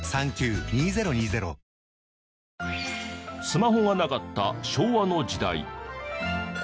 スマホがなかった昭和の時代。